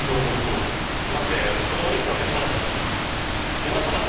だって子供出来たの嬉しかったし自慢したかったし。